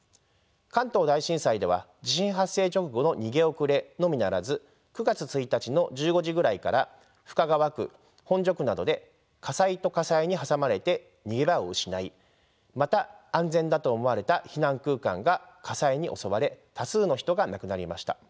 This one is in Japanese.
関東大震災では地震発生直後の逃げ遅れのみならず９月１日の１５時くらいから深川区本所区などで火災と火災に挟まれて逃げ場を失いまた安全だと思われた避難空間が火災に襲われ多数の人が亡くなりました。